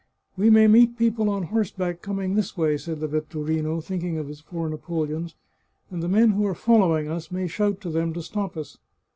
" We may meet people on horseback coming this way," said the vetturino, thinking of his four napoleons, " and the men who are following us may shout to them to stop us."